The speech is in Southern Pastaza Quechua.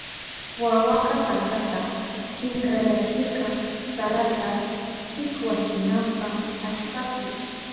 Wawaka tasata kinkrayachirka sarata shikwachinanpa allpapi.